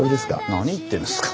何言ってんですか？